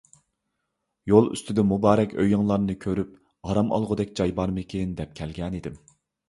يول ئۈستىدە مۇبارەك ئۆيۈڭلارنى كۆرۈپ، ئارام ئالغۇدەك جاي بارمىكىن دەپ كەلگەنىدىم.